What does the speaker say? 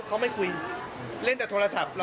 เขาไม่คุยเล่นแต่โทรศัพท์